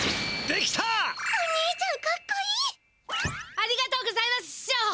ありがとうございますししょう！